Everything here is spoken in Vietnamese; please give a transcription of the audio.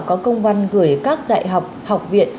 có công văn gửi các đại học học viện